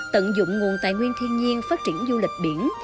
tận dụng nguồn tài nguyên thiên nhiên phát triển du lịch biển